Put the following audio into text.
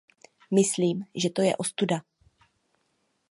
Myslím, že to je ostuda.